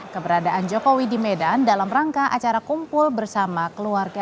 keberadaan jokowi di medan dalam rangka acara kumpul bersama keluarga